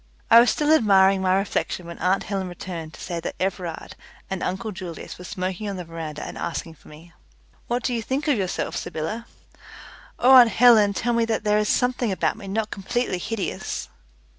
I was still admiring my reflection when aunt Helen returned to say that Everard and uncle Julius were smoking on the veranda and asking for me. "What do you think of yourself, Sybylla?" "Oh, aunt Helen, tell me that there is something about me not completely hideous!"